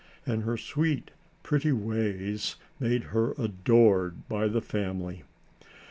And her sweet, pretty ways made her adored by the family.